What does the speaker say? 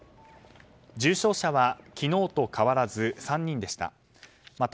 重症者は昨日と変わらず３人でした。